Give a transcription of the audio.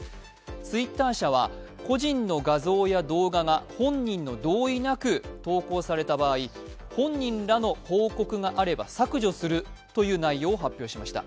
Ｔｗｉｔｔｅｒ社は、個人の画像や動画が本人の同意なく投稿された場合、本人らの報告があれば削除するという内容を発表しました。